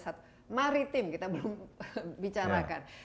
nah sekarang posisi dinding yang banyak karenacah lalu dekat